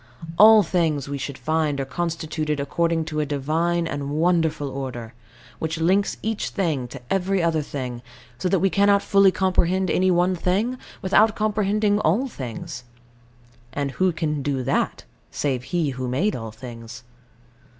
All things, we should find, are constituted according to a Divine and Wonderful Order, which links each thing to every other thing; so that we cannot fully comprehend any one thing without comprehending all things: and who can do that, save He who made all things?